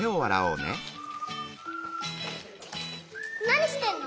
なにしてんの？